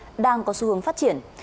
phía tây đang có xu hướng phát triển